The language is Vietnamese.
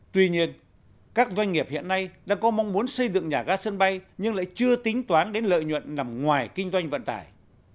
tuy nhiên các doanh nghiệp hiện nay đã có mong muốn xây dựng nhà ga sân bay nhưng lại chưa tính toán đến lợi nhuận nằm ngoài kinh doanh vận tải